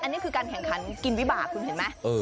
อันนี้คือการแข่งขันกินวิบากคุณเห็นไหม